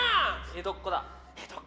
江戸っ子。